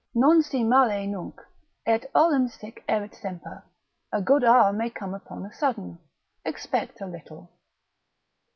Non si male nunc, et olim sic erit semper; a good hour may come upon a sudden; expect a little.